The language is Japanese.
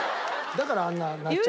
だからあんなんなっちゃう。